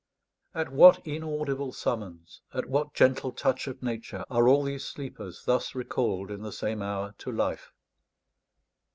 At what inaudible summons, at what gentle touch of Nature, are all these sleepers thus recalled in the same hour to life?